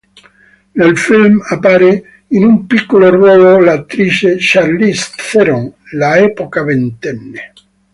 Nel film, appare in un piccolo ruolo l'attrice Charlize Theron, all'epoca ventenne.